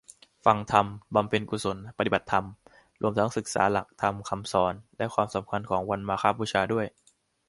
ฟังธรรม บำเพ็ญกุศล ปฏิบัติธรรม รวมทั้งควรศึกษาหลักธรรมคำสั่งสอน และความสำคัญของวันมาฆบูชาด้วย